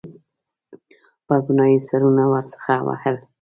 په ګناه یې سرونه ورڅخه وهل.